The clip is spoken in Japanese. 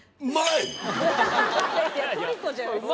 いやいや「トリコ」じゃないすか。